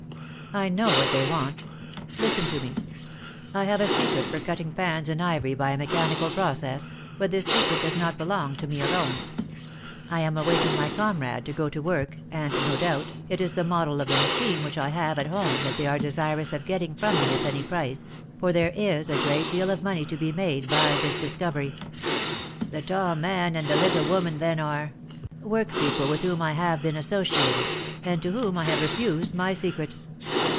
"I know what they want. Listen to me. I have a secret for cutting fans in ivory by a mechanical process, but this secret does not belong to me alone. I am awaiting my comrade to go to work, and, no doubt, it is the model of the machine which I have at home that they are desirous of getting from me at any price, for there is a great deal of money to be made by this discovery." "The tall man and the little woman then are " "Work people with whom I have been associated, and to whom I have refused my secret."